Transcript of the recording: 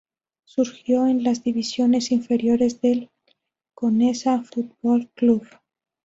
Surgido en las Divisiones Inferiores del Conesa Football Club.